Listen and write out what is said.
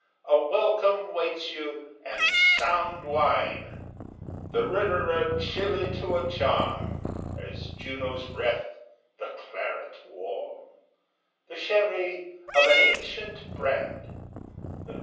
A welcome waits you, and sound wine The Roederer chilly to a charm, As Juno's breath the claret warm, The sherry of an ancient brand.